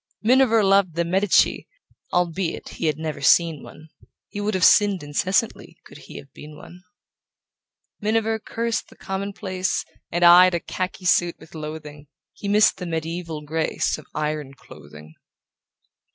Miniver loved the Medici, Albeit he had never seen one; He would have sinned incessantly Could he have been one. Miniver cursed the commonplace And eyed a khaki suit with loathing: He missed the medieval grace Of iron clothing.